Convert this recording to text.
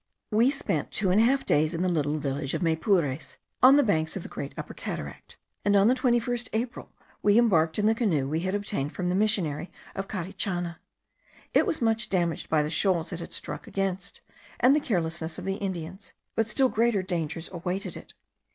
We spent two days and a half in the little village of Maypures, on the banks of the great Upper Cataract, and on the 21st April we embarked in the canoe we had obtained from the missionary of Carichana. It was much damaged by the shoals it had struck against, and the carelessness of the Indians; but still greater dangers awaited it.